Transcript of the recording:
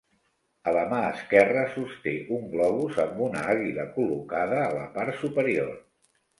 A la mà esquerra sosté un globus amb una àguila col·locada a la part superior.